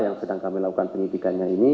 yang sedang kami lakukan penyidikannya ini